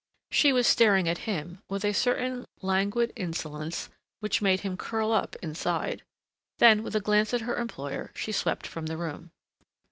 She was staring at him with a certain languid insolence which made him curl up inside. Then with a glance at her employer she swept from the room.